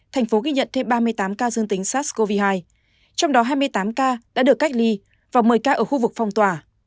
thành phố ghi nhận thêm ba mươi tám ca dương tính sars cov hai trong đó hai mươi tám ca đã được cách ly và một mươi ca ở khu vực phong tỏa